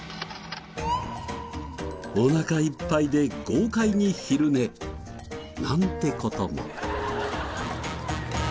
お腹いっぱいで豪快に昼寝なんて事も。